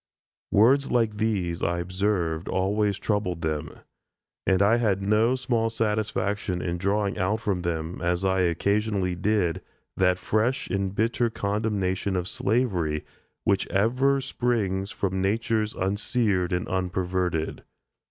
Words like these, I observed, always troubled them; and I had no small satisfaction in drawing out from them, as I occasionally did, that fresh and bitter condemnation of slavery which ever springs from natures unseared and unperverted.